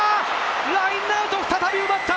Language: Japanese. ラインアウト、再び奪った！